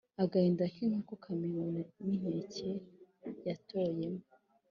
agahinda k’inkoko kamenywa n’inkike yatoyemo